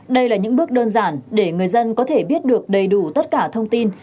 đây là những bước đơn giản để người dân có thể biết được đầy đủ tất cả thông tin